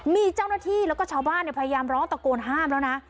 มีเจ้าหน้าที่แล้วก็ชาวบ้านพยายามร้องตะโกนห้ามแล้วนะ